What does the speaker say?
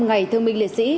ngày thương minh liệt sĩ